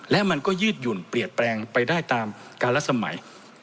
และมันก็ยืดหยุ่นเปลี่ยนแปลงไปได้ตามการละสมัย